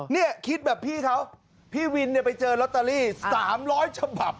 นี่คิดแบบพี่เขาพี่วินเนี่ยไปเจอลอตเตอรี่๓๐๐ฉบับ